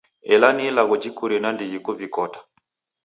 Ela ni ilagho jikurie nandighi kuvikota.